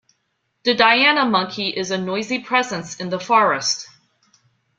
The Diana monkey is a noisy presence in the forest.